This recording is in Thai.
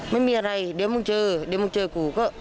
ไม่มีอะไรเดี๋ยวมึงเจอกูก็